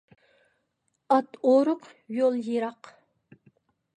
ئات ئورۇق، يول يىراق.